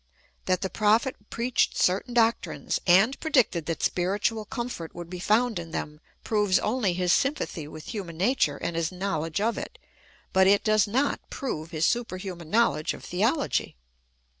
That the Prophet preached certain doctrines, and predicted that spiritual comfort would be found in them, proves only his sympathy with human nature and his knowledge of it ; but it does not prove his super human knowledge of theology.